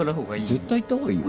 絶対行ったほうがいいよ。